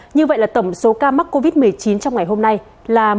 như vậy là tổng số ca mắc covid một mươi chín trong ngày hôm nay là một hai mươi chín ca